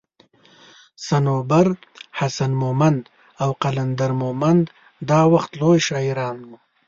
صنوبر حسين مومند او قلندر مومند دا وخت لوي شاعران وو